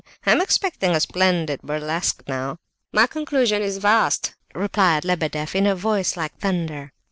I am expecting a splendid burlesque now." "My conclusion is vast," replied Lebedeff, in a voice like thunder.